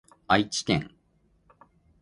愛知県